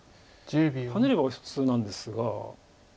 ハネれば普通なんですが。